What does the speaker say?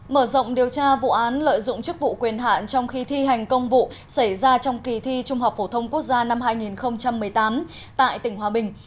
mở rộng điều tra vụ án lợi dụng chức vụ quyền hạn trong khi thi hành công vụ xảy ra trong kỳ thi trung học phổ thông quốc gia năm hai nghìn một mươi tám tại tỉnh hòa bình